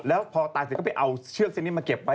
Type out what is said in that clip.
แล้วพอตายเสร็จก็ไปเอาเชือกเส้นนี้มาเก็บไป